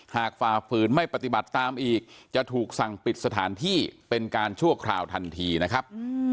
ฝ่าฝืนไม่ปฏิบัติตามอีกจะถูกสั่งปิดสถานที่เป็นการชั่วคราวทันทีนะครับ